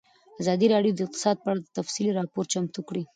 ازادي راډیو د اقتصاد په اړه تفصیلي راپور چمتو کړی.